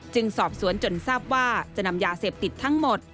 สอบสวนจนทราบว่าจะนำยาเสพติดทั้งหมด